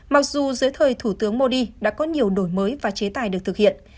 mặc dù dưới thời thủ tướng modi đã có nhiều đổi mới và chế tài được thực hiện